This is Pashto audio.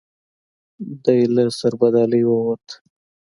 دی له سربدالۍ ووت.